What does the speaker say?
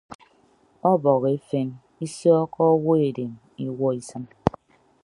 Ọbọhọ efen isọọkkọ owo edem iwuọ isịn.